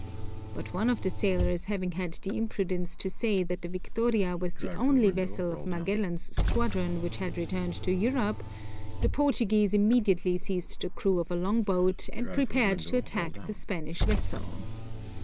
But one of the sailors having had the imprudence to say that the Victoria was the only vessel of Magellan's squadron which had returned to Europe, the Portuguese immediately seized the crew of a long boat, and prepared to attack the Spanish vessel.